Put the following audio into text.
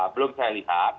belum saya lihat